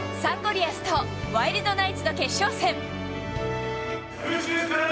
リアスとワイルドナイツの決勝戦。